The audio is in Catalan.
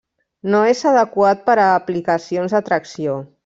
No és adequat per a aplicacions de tracció.